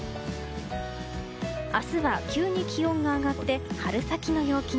明日は急に気温が上がって春先の陽気に。